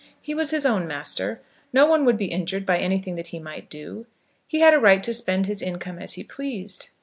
He was his own master. No one would be injured by anything that he might do. He had a right to spend his income as he pleased.